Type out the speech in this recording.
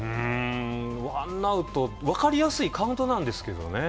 ワンアウト、分かりやすいカウントなんですけどね。